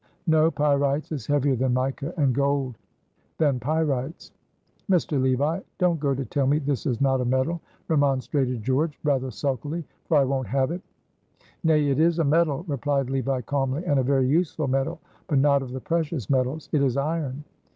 "No! pyrites is heavier than mica and gold than pyrites." "Mr. Levi, don't go to tell me this is not a metal," remonstrated George, rather sulkily, "for I won't have it." "Nay, it is a metal," replied Levi, calmly, "and a very useful metal, but not of the precious metals. It is iron."